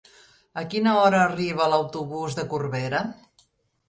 A quina hora arriba l'autobús de Corbera?